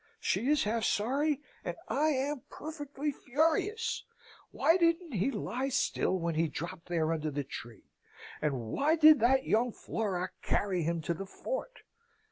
She is half sorry, and I am perfectly furious! Why didn't he lie still when he dropped there under the tree, and why did that young Florac carry him to the fort?